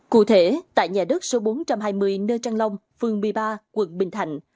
cụ thể tại nhà đất số bốn trăm hai mươi nơ trăng long phường một mươi ba quận bình thạnh